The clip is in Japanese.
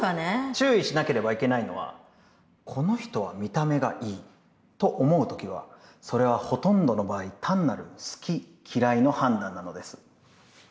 注意しなければいけないのはこの人は見た目がいいと思う時はそれはほとんどの場合単なる好き嫌いの判断なのです。